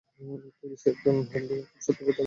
প্যারিসে, একজন ভ্যাম্পায়ারকে খুব সতর্ক হতে হয়।